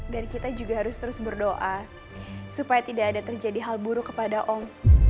dan kita juga harus terus berdoa supaya tidak ada terjadi hal buruk kepada om